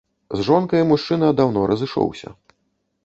З жонкай мужчына даўно разышоўся.